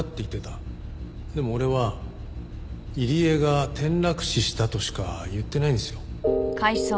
でも俺は「入江が転落死した」としか言ってないんですよ。